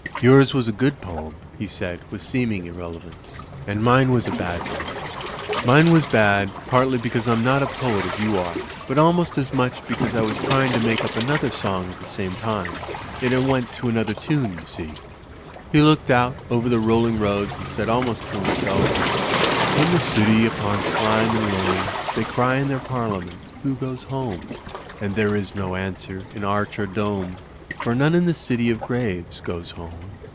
"Yours was a good poem," he said, with seeming irrelevance, "and mine was a bad one. Mine was u,y,u.«u by Google THE ROAD TO ROUNDABOUT 275 bad, partly because I'm not a poet as you are; but almost as much because I was trying to make up an other song at the same time. And it went to another tune, you see." He looked out over the rolling roads and said almost to himself: "In the city set upon slime and loam They cry in their parliament *Who goes home?' And there is no answer in arch or dome, For none in the city of graves goes home.